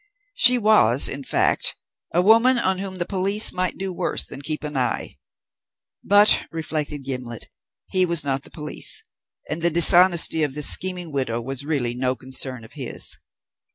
She was, in fact, a woman on whom the police might do worse than keep an eye; but, reflected Gimblet, he was not the police, and the dishonesty of this scheming widow was really no concern of his.